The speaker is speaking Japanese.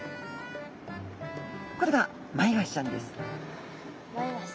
これがマイワシちゃんです。